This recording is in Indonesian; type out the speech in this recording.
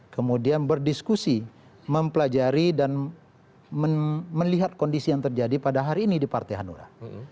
kemudian berdiskusi mempelajari dan melihat kondisi yang terjadi pada hari ini di partai hanura